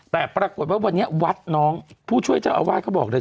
แต่ปรากฏว่าวันนี้วัดน้องผู้ช่วยเจ้าอาวาสเขาบอกเลย